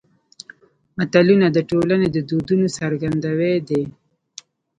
متلونه د ټولنې د دودونو څرګندوی دي